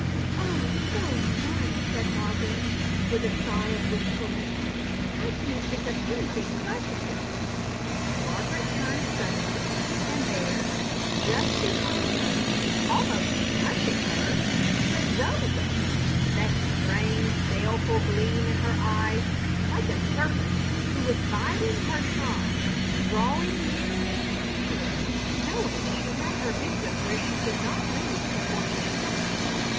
"Oh, so much!" said Margaret, with a sigh of wistfulness. "I can't think of anything pleasanter!" Margaret turned suddenly, and there, just behind her, almost touching her, stood Rosa, that strange, baleful gleam in her eyes like a serpent who was biding her time, drawing nearer and nearer, knowing she had her victim where she could not move before she struck.